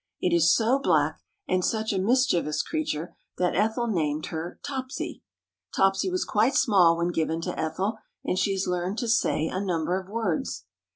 It is so black and such a mischievous creature that Ethel named her Topsy. Topsy was quite small when given to Ethel, and she has learned to say a number of words.